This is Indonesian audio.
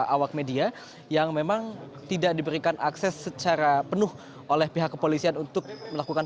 awak media yang memang tidak diberikan akses secara penuh oleh pihak kepolisian untuk melakukan